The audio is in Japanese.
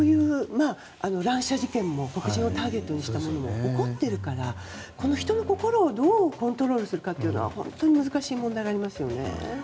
乱射事件も黒人をターゲットにしたものが起こっているから人の心をどうコントロールするか本当に難しい問題がありますよね。